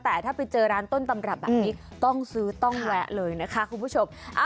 แต่ถ้าไปเจอร้านต้นตำรับแบบนี้ต้องซื้อต้องแวะเลยนะคะคุณผู้ชม